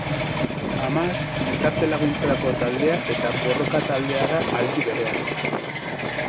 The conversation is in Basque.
Hamas gizarte laguntzarako taldea eta borroka taldea da aldi berean.